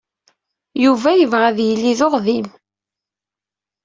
Yuba yebɣa ad yili d uɣdim.